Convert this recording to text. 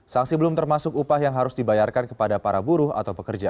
sanksi belum termasuk upah yang harus dibayarkan kepada para buruh atau pekerja